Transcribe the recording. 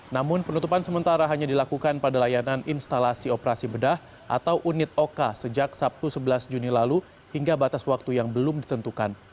namun penutupan sementara hanya dilakukan pada layanan instalasi operasi bedah atau unit oka sejak sabtu sebelas juni lalu hingga batas waktu yang belum ditentukan